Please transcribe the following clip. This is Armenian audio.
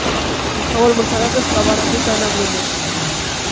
Գլխավոր մրցանակը սկավառակի ձայնագրումն էր։